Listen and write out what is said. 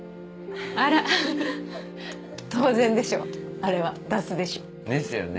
あら当然でしょあれは出すでしょですよね